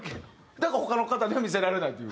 だから他の方には見せられないという？